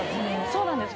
そうなんです。